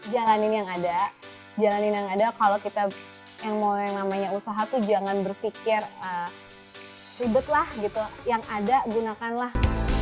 jalanin yang ada jalanin yang ada kalau kita yang mau yang namanya usaha tuh jangan berpikir ribet lah gitu yang ada gunakanlah